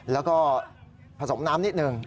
แล้วก็ผสมน้ำนิดนึง